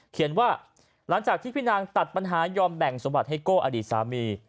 ว่าหลังจากที่พี่นางตัดปัญหายอมแบ่งสมบัติให้โก้อดีตสามี